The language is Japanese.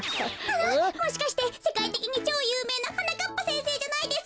あのもしかしてせかいてきにちょうゆうめいなはなかっぱせんせいじゃないですか？